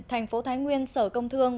thành phố thái nguyên sở công thương